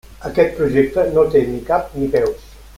Aquest projecte no té ni cap ni peus.